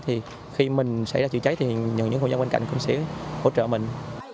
thì khi mình xảy ra chữa cháy thì những hộ dân bên cạnh cũng sẽ hỗ trợ mình